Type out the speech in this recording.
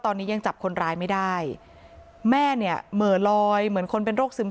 ตอนนี้ยังจับคนร้ายไม่ได้แม่เนี่ยเหม่อลอยเหมือนคนเป็นโรคซึม